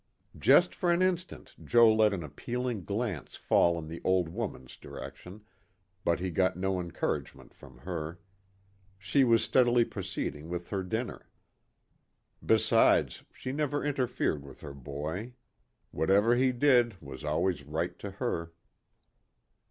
Just for an instant Joe let an appealing glance fall in the old woman's direction, but he got no encouragement from her. She was steadily proceeding with her dinner. Besides, she never interfered with her boy. Whatever he did was always right to her.